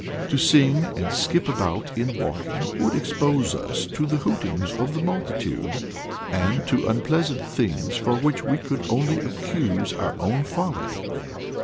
To sing and skip about in walking, would expose us to the hootings of the multitude, and to unpleasant things for which we could only accuse our own folly.